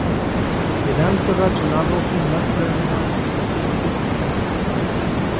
विधानसभा चुनावों की मतगणना से एक दिन पहले...